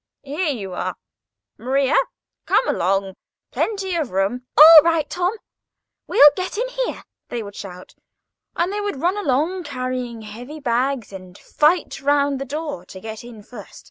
"Here y' are, Maria; come along, plenty of room." "All right, Tom; we'll get in here," they would shout. And they would run along, carrying heavy bags, and fight round the door to get in first.